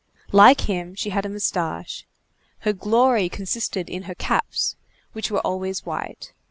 Like him, she had a moustache. Her glory consisted in her caps, which were always white.